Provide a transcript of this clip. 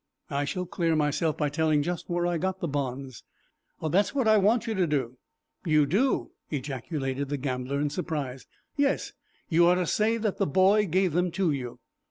I shall clear myself, by telling just where I got the bonds." "That's what I want you to do." "You do!" ejaculated the gambler, in surprise. "Yes. You are to say that the boy gave them to you."